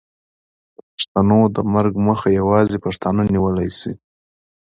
د پښتو د مرګ مخه یوازې پښتانه نیولی شي.